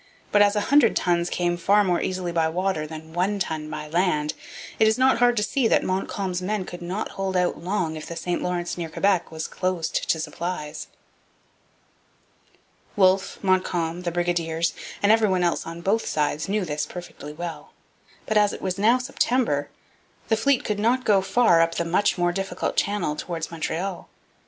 But as a hundred tons came far more easily by water than one ton by land, it is not hard to see that Montcalm's men could not hold out long if the St Lawrence near Quebec was closed to supplies. Wolfe, Montcalm, the brigadiers, and every one else on both sides knew this perfectly well. But, as it was now September, the fleet could not go far up the much more difficult channel towards Montreal.